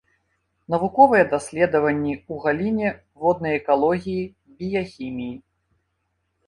Навуковыя даследаванні ў галіне воднай экалогіі, біяхіміі.